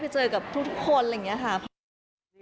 ใช่